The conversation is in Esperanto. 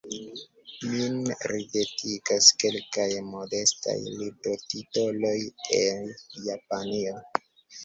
Min ridetigas kelkaj modestaj librotitoloj el Japanio.